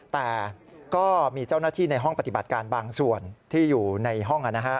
แต่ก็มีเจ้าหน้าที่ในห้องปฏิบัติการบางส่วนที่อยู่ในห้อง